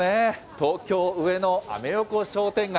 東京・上野アメ横商店街。